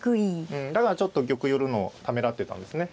うんだからちょっと玉寄るのをためらってたんですね